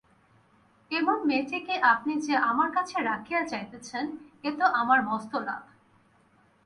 এমন মেয়েটিকে আপনি যে আমার কাছে রাখিয়া যাইতেছেন, এ তো আমার মস্ত লাভ।